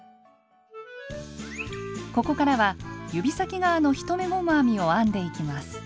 ここからは指先側の１目ゴム編みを編んでいきます。